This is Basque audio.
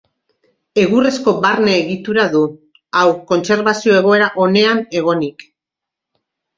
Egurrezko barne egitura du, hau kontserbazio egoera onean egonik.